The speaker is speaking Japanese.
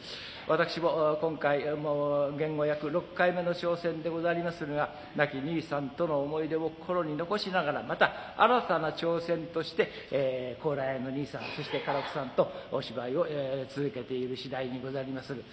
私も今回もう源吾役６回目の挑戦でござりまするが亡きにいさんとの思い出も心に残しながらまた新たな挑戦として高麗屋のにいさんそして歌六さんとお芝居を続けている次第にござりまする。